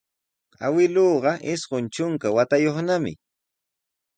Awkilluuqa isqun trunka watayuqnami.